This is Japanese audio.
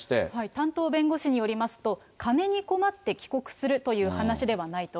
担当弁護士によりますと、金に困って帰国するっていう話ではないと。